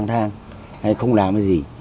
hay không làm cái gì